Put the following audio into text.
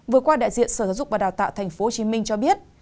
vừa qua đại diện sở giáo dục và đào tạo tp hcm cho biết